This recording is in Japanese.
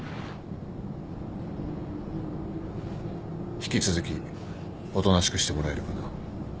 引き続きおとなしくしてもらえるかな。